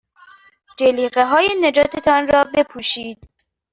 جلیقههای نجات تان را بپوشید.